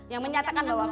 yang menyatakan bahwa